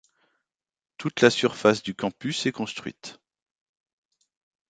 Toute la surface du campus est construite.